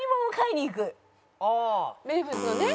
名物のね。